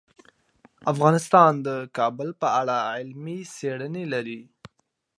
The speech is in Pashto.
افغانستان د کابل په اړه علمي څېړنې لري.